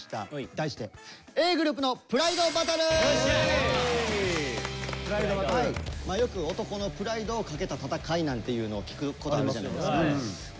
題してよく男のプライドを懸けた戦いなんていうのを聞くことあるじゃないですか。ということで今回Ａぇ！